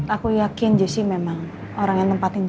aku yakin jessy memang orang yang nempatin janji